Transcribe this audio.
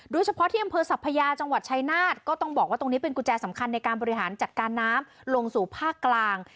โดยเฉพาะที่อำเภอสัพพยาจังหวัดชายนาฏก็ต้องบอกว่าตรงนี้เป็นกุญแจสำคัญในการบริหารจัดการน้ำลงสู่ภาคกลาง